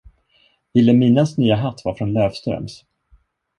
Vilhelminas nya hatt var från Löfströms.